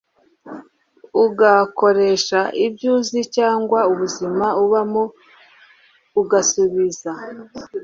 ugakoresha ibyo uzi cyangwa ubuzima ubamo ugasubiza